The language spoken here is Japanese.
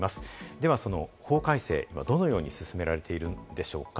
では法改正、どのように進められているんでしょうか。